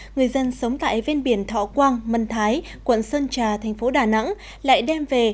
người dân sống tại ven biển thọ quang mân thái quận sơn trà thành phố đà nẵng lại đem về